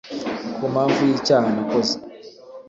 ku mpamvu y'icyaha nakoze